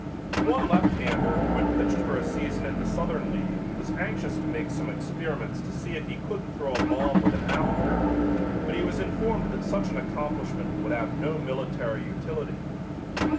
One lefthander who had pitched for a season in the Southern League was anxious to make some experiments to see if he couldn't throw a bomb with an out curve but he was informed that such an accomplishment would have no military utility.